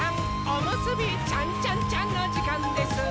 おむすびちゃんちゃんちゃんのじかんです！